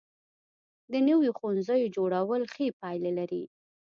د نویو ښوونځیو جوړول ښې پایلې لري.